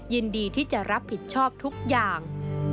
ยินดีที่จะรับผิดชอบทุกอย่าง